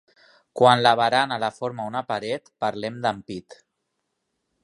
Quan la barana la forma una paret, parlem d'ampit.